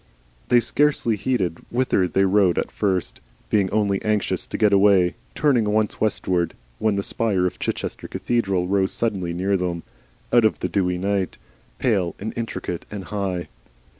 They scarcely heeded whither they rode at first, being only anxious to get away, turning once westward when the spire of Chichester cathedral rose suddenly near them out of the dewy night, pale and intricate and high.